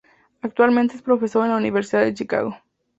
Actualmente es profesor en la Universidad de Chicago.